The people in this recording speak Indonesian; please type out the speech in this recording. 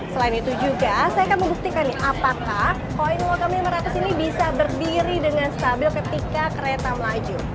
selain itu juga saya akan membuktikan nih apakah koin wakam lima ratus ini bisa berdiri dengan stabil ketika kereta melaju